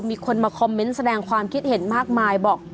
มีคนมาคอมเมนต์แสดงความคิดเห็นมากมายบอก